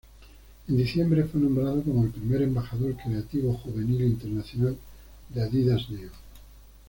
En diciembre fue nombrado como el primer Embajador Creativo Juvenil Internacional de Adidas Neo.